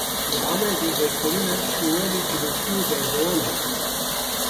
Li Amedê vekolîna şûnwarê dîrokî yê berdewam e.